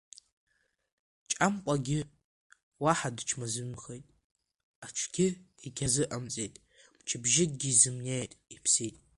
Ҷамкәагьы уаҳа дычмазаҩымхеит, аҽгьы егьазыҟамҵеит, мчыбжьыкгьы изымнеит, иԥсит.